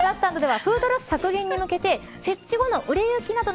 フードロス削減に向けて設置後の売れ行きなどの